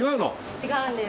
違うんです。